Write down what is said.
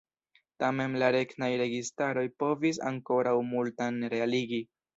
Tamen la regnaj registaroj povis ankoraŭ multan realigi.